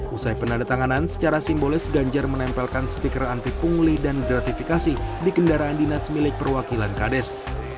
usai penandatanganan secara simbolis ganjar menempelkan stiker anti pungli dan gratifikasi di kendaraan dinas milik perwakilan kades